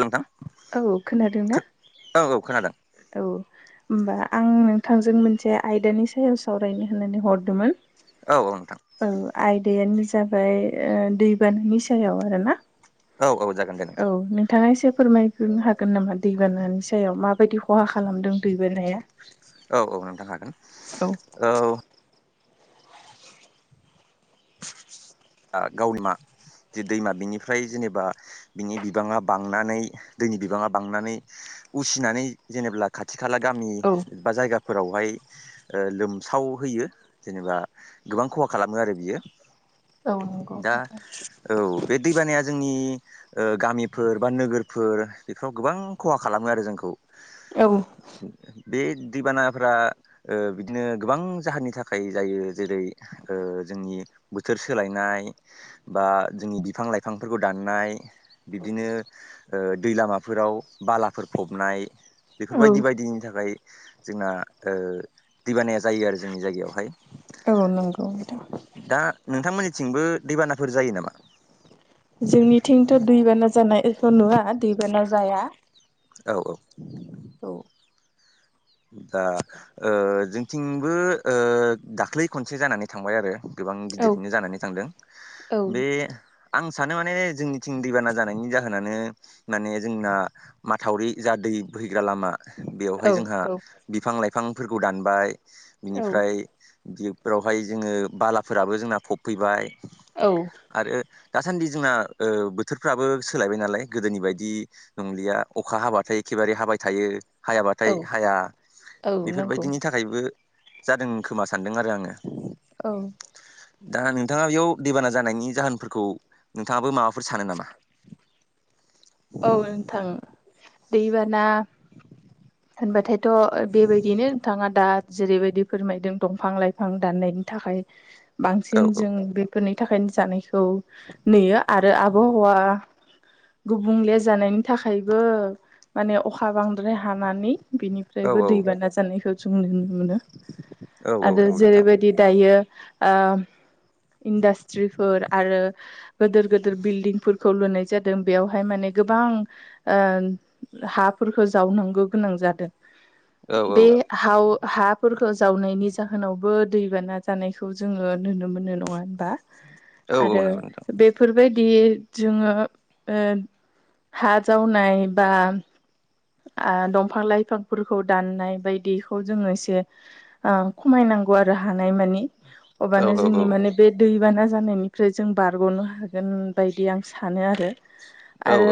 नोंथां औ खोनादोंना? औ औ खोनादों औ होमबा आं नोंथांजों मोनसे आयदानि सायाव सावरायनो होननानै हरदोंमोन। औ औ नोंथां औ आयदायानो जाबाय दैबानायानि सायाव आरोना। औ औ जागोन दे औ नोंथां नोंथाङा एसे फोरमायगो हागोन नामा दैबारानि सायाव माबायदि खहा खालामदों दैबारनाया? औ औ नोंथां हागोन औ [inaudible] ओ गावनि मा जे दैमा बिनिफ्राय जेनेबा बिनि बिबाङा बांनानै दैनि बिबाङा बांनानै उसिनानै जेनेब्ला खाथि खाला गामि औ बा जायगाफोरावहाय ओ लोमसाव होयो जेनेबा गोबां खहा खालामो आरो बियो। औ नंगौ दा नोंथां औ बे दैबानाया जोंनि ओ गामिफोर बा नोगोरफोर बेफोराव गोबां खहा खालामो आरो जोंखौ। औ बे दैबानाफ्रा ओ बिदिनो गोबां जाहोननि थाखाय जायो जेरै ओ जोंनि बोथोर सोलाय नाय बा जोंनि बिफां लाइफांफोरखौ दाननाय ओ बिब्दिनो दै लामाफोराव बालाफोर फबनाय औ बेफोरबायदि बायदिनि थाखाय जोंना ओ दैबानाया जायो आरो जोंनि जायगायावहाय। औ नंगौ नोंथां। थिंबो दैबानाफोर जायो नामा? जोंनिथिंथ दैबाना जानायखौ नुवा दैबाना जाया। औ औ औ ओ ओ दा जोंथिंबो ओ दाख्लै खनसे जानानै थांबाय आरो। गोबां औ गिदिरैनो जानानै थांदों औ बे आं सानो माने जोंनिथिं दैबाना जानायनि जाहोनानो माने जोंना माथावरि जा दै बोहैग्रा लामा बेवहाय जोंहा औ बिफां लाइफांफोरखौ दानबाय बिनिफ्राय बेफोरावहाय जोङो बालाफोराबो जोंना फबफैबाय औ आरो दासान्दि जोंना ओ बोथोरफ्राबो सोलायबाय नालाय गोदोनि बायदि नंलिया अखा हाबाथाय एखे एखेबारे हाबाय थायो औ हायाबाथाय हाया औ नंगौ बेफोरबायदिनि थाखायबो जादों खोमा सानदों आरो आङो। औ दा नोंथाङा बेयाव दैबाना जानायनि जाहोनफोरखौ नोंथाङाबो माबाफोर सानो नामा? [inaudible] औ नोंथां दैबाना होनबाथायथ बेबायदिनो नोंथाङा दा जेरैबायदि फोरमायदों दंफां लाइफां दाननायनि थाखाय औ बांसिन जों बेफोरनि थाखायनो जानायखौ नुयो आरो आबहावा गुबुंले जानायनि थाखायबो माने अखा बांद्राय हानानै बिनिफ्रायबो औ दैबाना जानायखौ जों नुनो मोनो औ औ आरो नंगौ नोंथां जेरैबायदि दायो इडासट्रिफोर आरो गिदिर गिदिर बिल्डिं खौ लुनाय जादों बेवहाय माने गोबां हाफोरखौ जावनांगौ गोनां जादों औ औ बे हाव हाफोरखौ जावनायनि जाहोनावबो दैबाना जानायखौ जोङो नुनो मोनो नङा होनबा औ औ आरो नंगौ नोंथां बेफोरबायदि जोङो हा जावनाय बा दंफां लाइफांफोरखौ दाननाय बायदिखौ जोङो एसे खमायनानै आरो हानाय मानि औ अबानो औ जोंनि माने बे दैबाना जानायनिफ्राय जों बारगनो हागोन बायदि आं सानो आरो आरो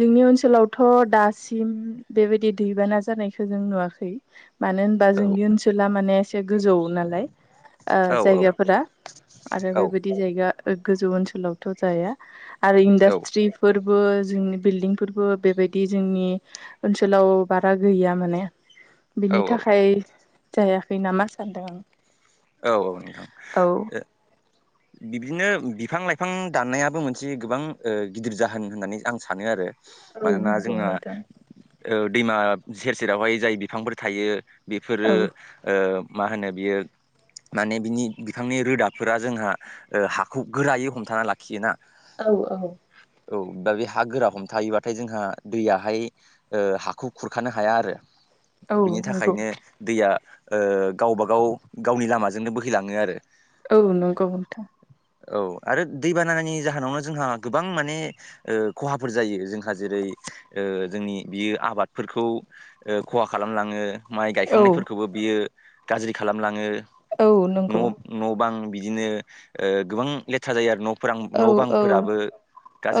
जोंनि ओनसोलावथ दासि म बेबायदि दैबाना जानायखौ जों नुवाखै मानो होनबा जोंनि ओनसोला माने एसे गोजौ नालाय जायगाफोरा आरो बेबायदि जायगा गोजौ ओनसोलावथ जाया आरो इडास्ट्रिफोर फोरबो जोंनि बिल्डिंफोरबो बेबायदि जोंनि ओनसोलाव बारा गैया माने औ बिनि थाखाय जायाखै नामा सानदों आं औ औ नोंथां औ बिबदिनो बिफां लाइफां दाननायाबो मोनसे गोबां गिदिर जाहोन होननानै आं सानो आरो औ मानोना नंगौ जोंना नोंथां दैमा सेर सेरावहाय जाय बिफांफोर थायो बेफोरो औ ओ मा होनो बियो माने बिनि बिफांनि रोदाफोरा जोंहा ओ हाखौ गोरायै हमथाना लाखियोना औ औ औ दा बे हा गोरा हमथायोबाथाय जोंहा दैयाहाय हाखौ खुरखानो हाया आरो औ बिनि नंगौ थाखायनो दैया ओ गावबागाव गावनि लामाजोंनो बोहैलाङो आरो औ नंगौ नोंथां औ आरो दै बानानि जाहोनावनो जोंहा गोबां माने खहाफोर जायो जोंहा जेरै ओ जोंनि बियो आबादफोरखौ खहा खालामलाङो माइ औ गायखांनायफोरखौबो बियो गाज्रि खालामलाङो औ न' नंगौ न' बां बिदिनो गोबां लेथ्रा जायो आरो न' फोरां औ न' औ बांफोराबो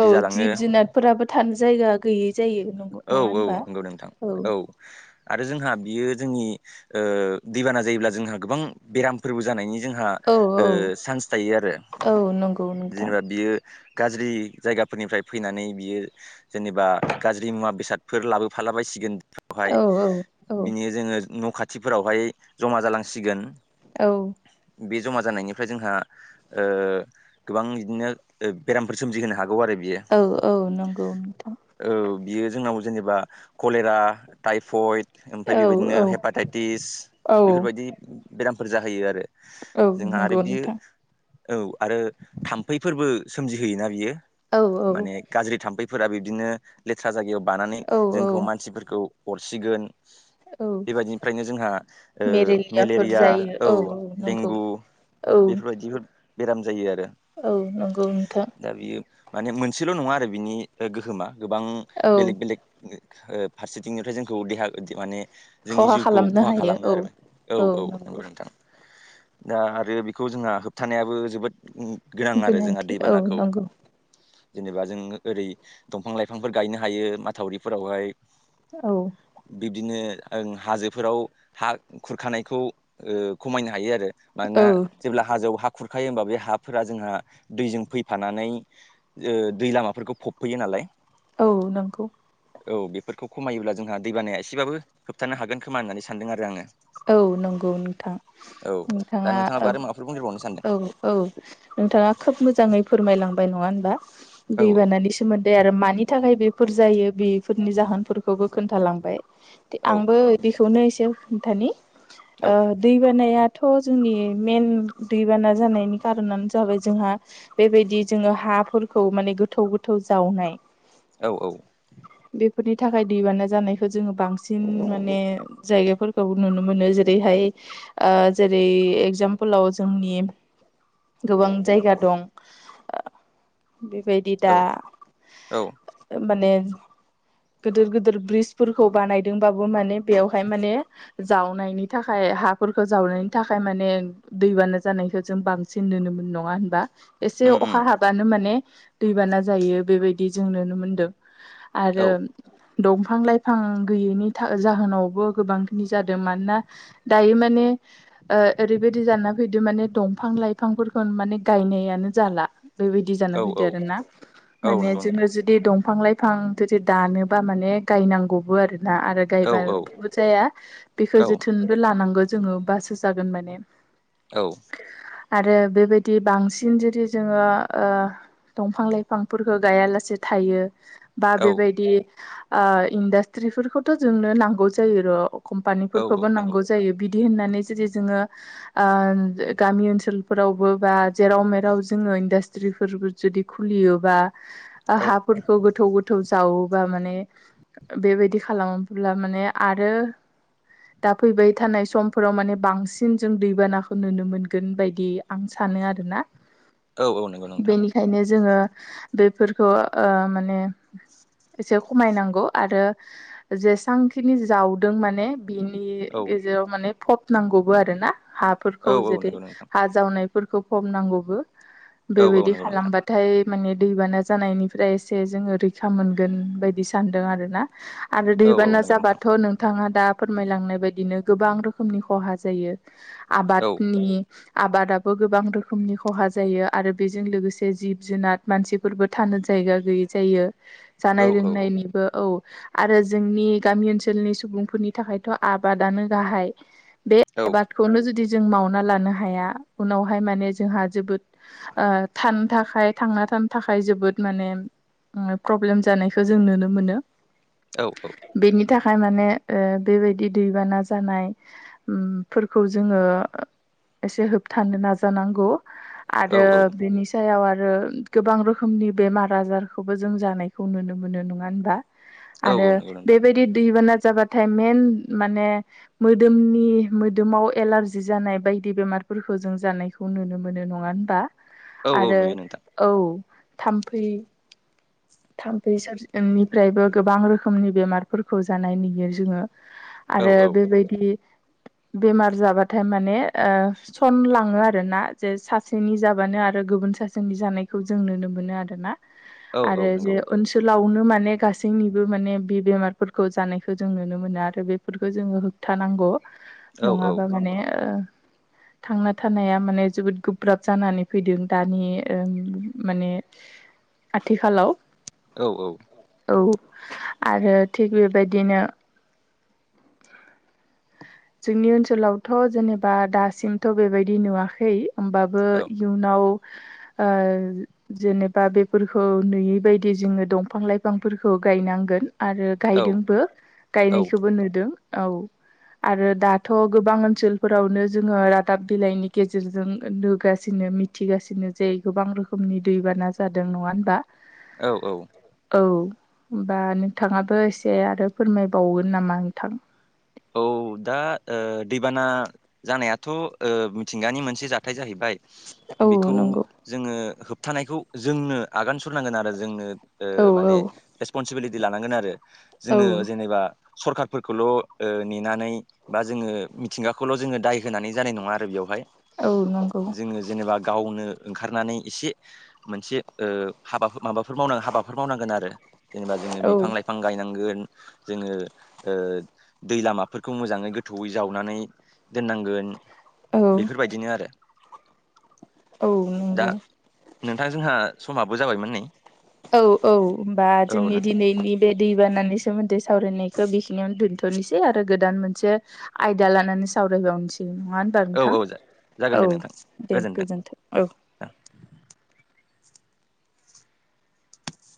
औ जालाङो जिब जुनारफोराबो थानो जायगा गैयै जायो औ नङा औ होनबा नंगौ नोंथां औ [unintelligible] आरो जोंहा बियो जोंनि ओ दैबाना जायोब्ला जोंहा गोबां बेरामफोरबो जानायनि जोंहा औ ओ औ चान्स थायो आरो औ नंगौ नोंथां जेनेबा बियो गाज्रि जायगाफोरनिफ्राय फैनानै बियो जेनेबा गाज्रि मुवा बेसादफोर लाबोफाला बायसिगोन बेवहाय औ औ औ बिनि जोङो न' खाथिफोरावहाय जमा जालांसिगोन औ बे जमा जानायनिफ्राय जोंहा ओ गोबां बिदिनो बेरामफोर सोमजिहोनो हागोन गौ आरो बियो औ औ नंगौ नोंथां औ बियो जोंनाव जेनेबा कलेरा टाइफयड ओमफ्राय औ बेबायदिनो औ हेपाटाइटिस औ बेफोरबायदि बेरामफोर जाहैयो आरो औ जोंहा आरो नंगौ बियो नोंथां औ आरो थाम्फैफोरबो सोमजिहोयोना बियो औ औ माने गाज्रि थाम्फै फोरा बिब्दिनो लेथ्रा जायगायाव बानानै औ औ जोंखौ मानसिफोरखौ अरसिगोन औ बेबायदिनिफ्रायनो जोंहा ओ मेरेलियाफोर मेलेरिया जायो औ नंगौ देंगु औ बेफोरबायदिफोर जायो आरो औ नंगौ नोंथां दा बेयो माने मोनसेल' नङा आरो बिनि गोहोमा गोबां औ बेलेग बेलेग। ओ फारसेथिंनिफ्राय जोंखौ देहा माने जोंनि खहा जिउखौ खालामनो खहा हायो खालामो औ आरो। औ औ नंगौ नोंथां दा आरो बेखौ जोंहा होबथानायाबो जोबोद गोनां आरो जोंहा गोनांथि औ दैबानाखौ। नंगौ जेनेबा जों ओरै दंफां लाइफांफोर गायनो हायो माथावरिफोरावहाय। औ बिदिनो हाजोफोराव हा खुरखानायखौ ओ खमायनो हायो आरो। मानोना औ जेब्ला हाजोआव हा खुरखायो होमबा बे हाफोरा जोंहा दैजों फैफानानै दै ओ लामाफोरखौ फबफैयो नालाय। औ नंगौ औ बेफोरखौ खमायोब्ला जोंहा दैबानाया एसेबाबो होबथानो हागोन खोमा होननानै सानदों आरो आङो औ नंगौ नोंथां औ दा नोंथाङा नोंथाङाबो आरो माबाफोर बुंदेरबावनो सानदों ओ औ औ नोंथाङा खोब मोजाङै फोरमायलांदों। बाय नङा होमबा औ दै बानानि सोमोन्दै आरो मानि थाखाय बेफोर जायो बेफोरनि जाहोनफोरखौबो खोन्थालांबाय। औ आंबो बेखौनो एसे खिथानि ओ दैबानाया याथ' जोंनि मेन दैबाना जानायनि कारनानो जाबाय जोंहा बेबायदि जोङो हाफोरखौ माने गोथौ गोथौ जावनाय। औ औ फोरनि थाखाय दैबाना जानायखौ जोङो बांसिन माने जायगाफोरखौ नुनो मोनो जेरैहाय ओ जेरै एगजामपोलाव जोंनि गोबां जायगा दं ओ बेबायदि औ दा औ माने गिदिर गिदिर ब्रिजफोरखौ बानायदोंबाबो माने बेवहाय माने जावनायनि थाखाय हाफोरखौ जावनायनि थाखाय माने दैबाना जानायखौ जों बांसिन नुनो मोनो। नङा होनबा? एसे उम उम अखा हाबानो माने दैबाना जायो बेबायदि जों नुनो मोनदों। आरो औ दंफां लाइफां गैयैनि जाहोनावबो गोबां जादों मानोना दायो माने ओ ओरैबायदि जाना फैद माने दंफां लाइफां बिफां फोरखौ माने गायनायानो जाला। बेबायदि जाना औ फैदो आर औ ना औ माने नंगौ नोंथां जोङो जुदि दं दफां लाइफां जुदि दानोबा माने गायनांगौबो आरोना आरो औ औ गायबाबो जाया। बेखौ औ जोथोनबो लानांगौ जोङोबासो जागोन माने। औ आरो बेबायदि बांसिन जुदि जोङो ओ दंफां लाइफांफोरखौो गायालासे थायो बा औ बेबायदि ओ इन्डास्ट्रिफोरखौथ' जोंनो नांगौ जायो र'। औ औ कम्पानिफोरखौबो नंगौ नांगौ जायो बिदि होननानै ओ जेरै जोङो ओ गामि ओनसोलफोरावबो बा जेराव मेराव जोङो इनदा रिफोरबो जुदि खुलियोबा ओ औ हाफोरखौ गोथौ गोथौ जाव बा माने बेबायदि खालामोब्ला माने आरो दा फैबाय थानाय समफोराव माने बांसिन जों दैबानाखौ नुनो मोनगोन बायदि आं सानो आरोना। औ औ नंगौ नोंथां। बेनिखायनो जोङो बेफोरखौ ओ माने एसे खमायनांगौ आरो जेसबांखिनि जावदों माने माने बिनि औ गेजेराव माने फब नांगौबो आरो ना औ हाफोरखौ औ जेरै नंगौ नोंथां हा जावनायफोरखौ फम नांगौबो औ औ बेबायदि नंगौ नोंथां खालामबाथाय माने दैबाना जानायनिफ्राय एसे जोङो रैखा मोनगोन बायदि सानदों आर ना आरो औ औ दैबाना नंगौ नोंथां जाबाथ नोंथाङा दा फोरमायलांनाय बायदिनो गोबां रोखोमनि खहा जायो औ आबादनि आबादाबो गोबां रोखोमनि खहा जायो आरो बेजों लोगोसे जिब जुनार मानसिफोरबो थानो नो जायगा गैयै जायो औ जानाय औ लोंनायनिबो औ आरो जोंनि गामि ओनसोलनि सुबुंफोरनि नि थाखायथ आबादानो गाहाय बे औ आबादखौनो जुदि जों मावना लानो हाया उनावहाय माने जोंहा जोबोद थानो थाखाय थांना साम थाखाय जोबोद माने प्रब्लेम जानायखौ जों नुनो मोनो औ औ थाखायाय माने बेबायदि दैबाना जानायफोरखौ जोङो एसे होबथानो नाजानांगौ औ आरो बेनि सायाव आरो आरो गोबां रोखोमनि बेमार आजारखौबो जों जानायखौ नुनो मोनो नङा होनबा औ आरो औ नंगौ नोंथां बेबायदि दैबाना जाबाथाय म मोनि मोदोमाव एलारजि जानाय बायदि बेमारफोरखौ जों जों जानायखौ नुनो मोनो नङा होनबा औ औ आरो नुयो नोंथां औ थाम्फै थाम बैसोरनिफ्रायबो गोबां रोखोमनि बेमारफोरखौ जानाय नगिर जङो औ आरो औ बेबायदि बेमार जाबाथाय माने सन लाङो आरो ना जे सासेनि जाबानो आरो गुबुन फनसासननि जानायखौ जों नुनो मोनो आर ना औ औ आरो नंगौ जे ओनसोलावनो माने गासैनिबो माने बे बेमारफोरखौ जानायखौ जों नुनो मोनो आरो बेफोरखौ जोङो होबथानांगौ औ नङाबा औ माने थांना थानाया माने जोबोद गोब्राब जानानै फैदों दानि माने आथि खालाव औ आरो थिग बेबायदिनो जोंनि ओनसोलावथ जेनेबा दासिमथ बेबायदि नुवाखै होमबाबो औ इयुनाव जेनेबा बेफोरखौ नुयिबायायदि जोङो दंफां लाइफांफोरखौ गायनांगोन आरो औ गायदोंबो औ गायनायखौबो नुदों औ आरो दाथ गोबां ओनसोलफोरावनो जोङो रादाब बिलाइनि गेजेरजों नुगासिनो मिथिगासिनो जे गोबां रोखोमनि दैबाना जादों नङा होनबा औ औ औ हबा नोंथाङाबो एसे आरो फोरमायबावगोन नामा नोंथां औ दा दैबाना जानायाथ मिथिंगानि मोनसे जाथाय जाहैबाय औ बेखौ नंगौ जोङो थानायखौ जोंनो आगान सुरनांगोन आरो जोंनो औ औ माने रेसपनसिबिलिटि लानांगोन आरो औ जोङो जेनेबा सरखारफोरखौल नेनानै बा जोङो मिथिंगाखौल जोङो दाय होनानै जानाय नङा आरो बेवहाय औ नंगौ जोङो जेनेबा गावनो ओंखारनानै एसे मोनसे हाबा माबाफोर मावनांग हाबाफोर मावनांगोन आरो जेनेबा जोङो औ बिफां लाइफां गायनांगोन जोङो दै लामाफोरखौ मोजाङै गोथौयै जावनानै दोननांगोन औ बेफोरबायदिनो आरो औ दा नंगौ नोंथां जोंहा समाबो जाबायमोन नै औ औ होनबा औ जोंनि नों दिनैनि बे दै बानानि सोमोन्दै सावरायनायखौ बेखिनियावनो दोनथ'नोसै आरो गोदान मोनसे आयदा लानानै सावरायबावनोसै नङा होनबा औ नोंथां? औ जागोन औ दे नोंथां दे गोजोन्थों औ। [inaudible]